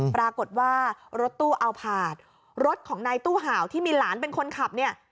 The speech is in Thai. ปรากฏว่ารถตู้เอาผาดรถของนายตู้ห่าวที่มีหลานเป็นคนขับเนี่ย